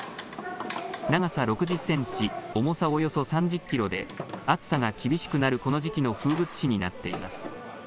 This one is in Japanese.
長さ６０センチ、重さおよそ３０キロで暑さが厳しくなるこの時期の風物詩になっています。